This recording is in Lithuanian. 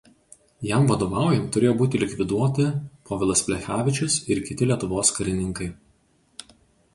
Jam vadovaujant turėjo būti likviduoti Povilas Plechavičius ir kiti Lietuvos karininkai.